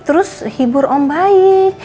terus hibur om baik